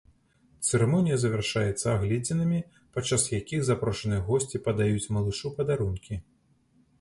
Цырымонія завяршаецца агледзінамі, падчас якіх запрошаныя госці падаюць малышу падарункі.